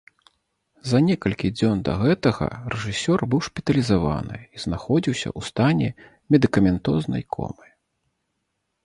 За некалькі дзён да гэтага рэжысёр быў шпіталізаваны і знаходзіўся ў стане медыкаментознай комы.